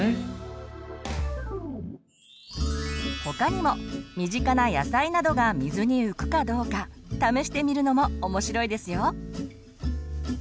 他にも身近な野菜などが水に浮くかどうか試してみるのも面白いですよ！